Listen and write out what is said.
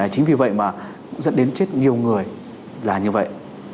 chính vì vậy mà dẫn đến chết nhiều người là như vậy